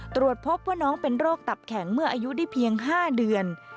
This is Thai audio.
ตรวจพบว่าน้องเป็นโรคตับแข็งเมื่ออายุได้เพียง๕เดือน